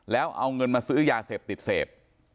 แล้วเอาเงินมาซื้อยาเสพติดเสพ